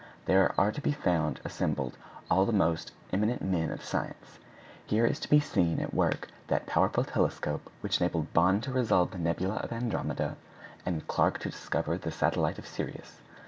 There are to be found assembled all the most eminent men of science. Here is to be seen at work that powerful telescope which enabled Bond to resolve the nebula of Andromeda, and Clarke to discover the satellite of Sirius.